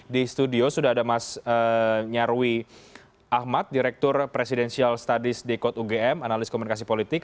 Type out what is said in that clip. di studio sudah ada mas nyarwi ahmad direktur presidential studies dekod ugm analis komunikasi politik